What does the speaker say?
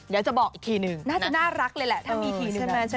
เดี๋ยวจะบอกอีกทีหนึ่งน่าจะน่ารักเลยแหละถ้ามีทีใช่ไหม